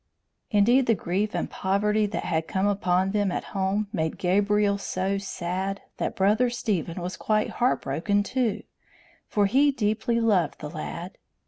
Indeed the grief and poverty that had come upon them at home made Gabriel so sad that Brother Stephen was quite heart broken, too, for he deeply loved the lad.